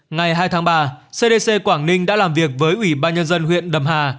ngày hai tháng ba cdc quảng ninh đã làm việc với ủy ban nhân dân huyện đầm hà